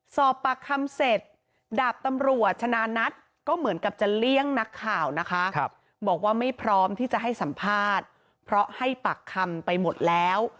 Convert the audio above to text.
สอบปากคำเสร็จดาบตำรวจชนะนัทก็เหมือนกับจะเลี่ยงนักข่าวนะคะบอกว่าไม่พร้อมที่จะให้สัมภาษณ์เพราะให้ปากคำไปหมดแล้ว